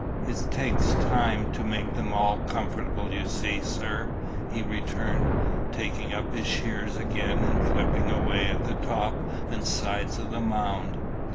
"It take time to make them all comfortable, you see, sir," he returned, taking up his shears again and clipping away at the top and sides of the mound.